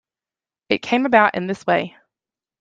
It came about in this way.